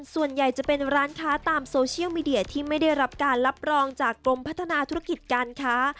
ส่วนใหญ่จะเป็นร้านค้าตามโซเชียลมีเดียที่ไม่ได้รับการรับรองจากกรมพัฒนาธุรกิจการค้า